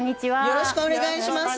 よろしくお願いします。